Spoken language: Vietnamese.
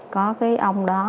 có cái ông đó